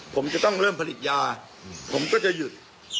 ผมจะต้องเริ่มผลิตยาผมก็จะหยุด